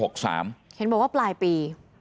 เห็นบอกว่าปลายปี